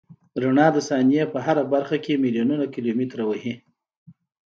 رڼا د ثانیې په هره برخه کې میلیونونه کیلومتره وهي.